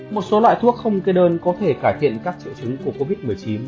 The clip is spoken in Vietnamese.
một số loại thuốc không kê đơn có thể cải thiện các triệu chứng của covid một mươi chín